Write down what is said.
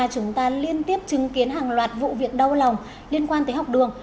chúng ta liên tiếp chứng kiến hàng loạt vụ việc đau lòng liên quan tới học đường